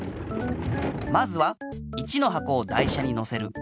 まずは１のはこを台車にのせる。